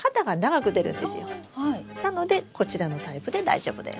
なのでこちらのタイプで大丈夫です。